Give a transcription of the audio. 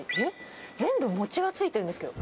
全部餅がついてるんですけれども。